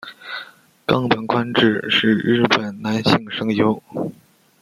冈本宽志是日本男性声优。